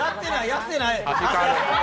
やってない。